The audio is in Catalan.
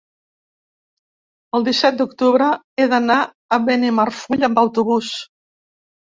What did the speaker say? El disset d'octubre he d'anar a Benimarfull amb autobús.